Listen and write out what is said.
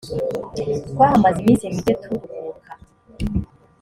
twahamaze iminsi mike turuhuka.